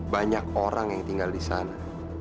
banyak orang yang tinggal di sana